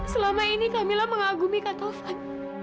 selama ini kamila mengagumi ketaufan